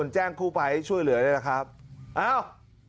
เฉี๊ยวข่าว